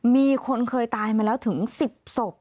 มีคนเคยตายมาแล้วถึง๑๐ศพ